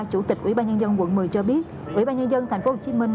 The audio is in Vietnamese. chủ tịch ủy ban nhân dân quận một mươi cho biết ủy ban nhân dân thành phố hồ chí minh